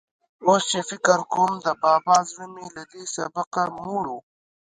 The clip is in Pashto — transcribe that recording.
اوس چې فکر کوم، د بابا زړه مې له دې سبقه موړ و.